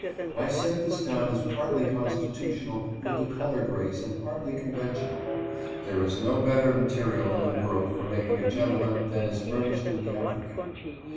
I set this down as partly constitutional with the colored race and partly conventional. There is no better material in the world for making a gentleman than is fur nished in the African.